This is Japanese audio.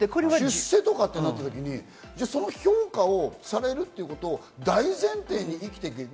出世とかってなった時にその評価をされるということを大前提に生きている。